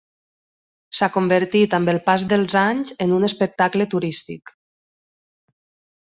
S'ha convertit amb el pas dels anys en un espectacle turístic.